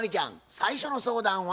最初の相談は？